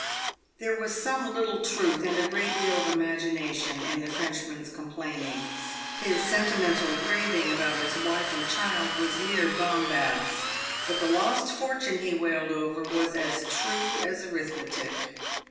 There was some little truth, and a great deal of imagination, in the Frenchman's complainings. His sentimental raving about his wife and child was mere bombast, but the lost fortune he wailed over was as true as arithmetic.